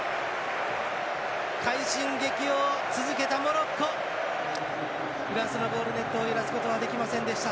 快進撃を続けたモロッコフランスのゴールネットを揺らすことはできませんでした。